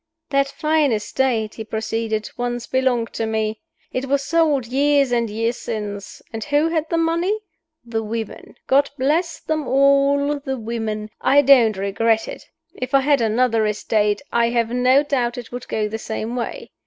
"That fine estate," he proceeded, "once belonged to me. It was sold years and years since. And who had the money? The women God bless them all! the women. I don't regret it. If I had another estate, I have no doubt it would go the same way.